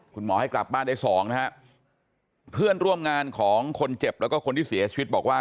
คุณหมอให้กลับบ้านได้สองนะฮะเพื่อนร่วมงานของคนเจ็บแล้วก็คนที่เสียชีวิตบอกว่า